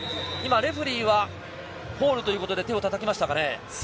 レフェリーはフォールということで手をたたきましたかね？